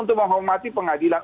untuk menghormati pengadilan